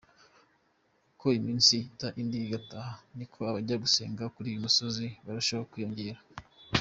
Uko iminsi ihita indi igataha niko abajya gusengera kuri uyu musozi barushaho kwiyongera.